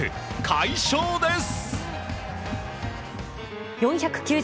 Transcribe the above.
快勝です。